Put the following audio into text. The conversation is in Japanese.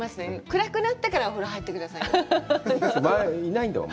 暗くなってから入ってくださいよ。